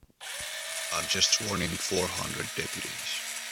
I've just sworn in four hundred deputies.